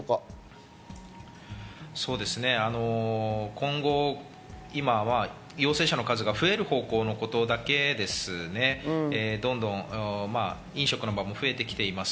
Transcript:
今後、今は陽性者の数が増える方向のことだけですね、どんどん飲食の場も増えてきています。